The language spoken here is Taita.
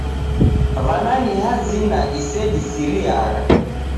W'ana ni hazina isedisiriagha.